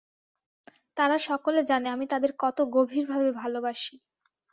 তারা সকলে জানে, আমি তাদের কত গভীরভাবে ভালবাসি।